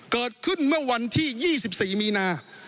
เกิดขึ้นเมื่อวันที่๒๔มีนา